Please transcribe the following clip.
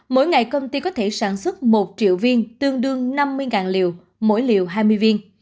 mỗi ngày công ty có thể sản xuất một triệu viên tương đương năm mươi liều mỗi liều hai mươi viên